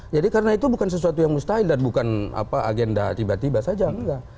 jadi karena itu bukan sesuatu yang mustahil dan bukan agenda tiba tiba saja enggak